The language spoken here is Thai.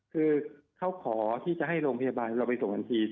คือเขาขอที่จะให้โรงพยาบาลเราไปส่งทันที